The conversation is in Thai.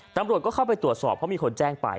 ตำรวจก็เข้าไปตรวจสอบเพราะมีคนแจ้งไป